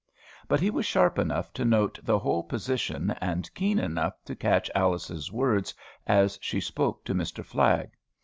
But he was sharp enough to note the whole position, and keen enough to catch Alice's words as she spoke to Mr. Flagg.